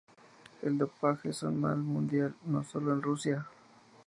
El dopaje es un mal mundial, no solo de Rusia".